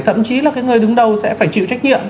thậm chí là cái người đứng đầu sẽ phải chịu trách nhiệm